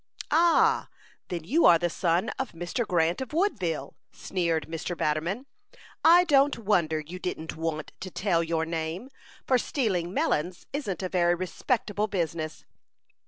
"Ah, then you are the son of Mr. Grant, of Woodville!" sneered Mr. Batterman. "I don't wonder you didn't want to tell your name, for stealing melons isn't a very respectable business."